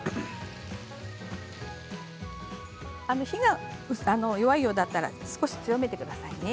火が弱いようだったら少し強めてくださいね。